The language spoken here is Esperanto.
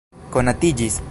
konatiĝis